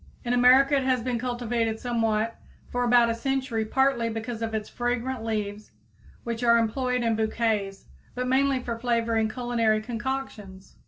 In America it has been cultivated somewhat for about a century partly because of its fragrant leaves which are employed in bouquets, but mainly for flavoring culinary concoctions.